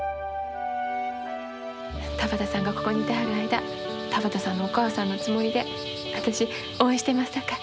田畑さんがここにいてはる間田畑さんのお母さんのつもりで私応援してますさかい。